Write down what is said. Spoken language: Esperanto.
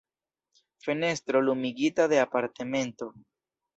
Fenestro lumigita de apartamento.